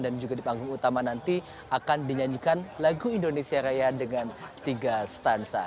dan juga di panggung utama nanti akan dinyanyikan lagu indonesia raya dengan tiga stansa